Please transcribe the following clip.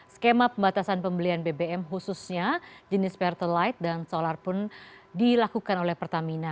skema pembatasan pembelian bbm khususnya jenis pertalite dan solar pun dilakukan oleh pertamina